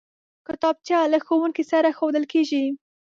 کتابچه له ښوونکي سره ښودل کېږي